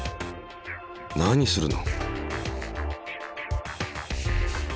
何するの？